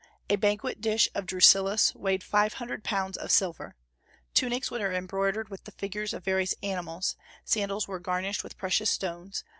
A banquet dish of Drusillus weighed five hundred pounds of silver. Tunics were embroidered with the figures of various animals; sandals were garnished with precious stones.